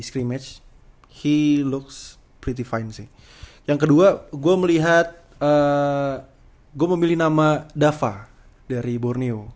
screen match he looks pretty fine sih yang kedua gua melihat eh gua memilih nama dava dari borneo